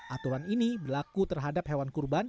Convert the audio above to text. aturan ini berlaku terhadap hewan kurban